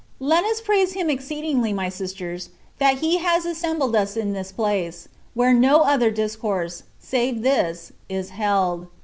Let us praise Him exceedingly, my sisters, that He has assem bled us in this place, where no other discourse, save this, is held.